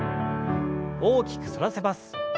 大きく反らせます。